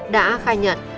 đã khai nhận